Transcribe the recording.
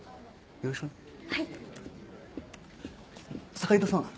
坂井戸さん。